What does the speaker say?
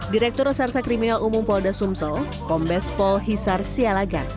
direktur sarsa kriminal umum polda sumsol kombes pol hisar sialagan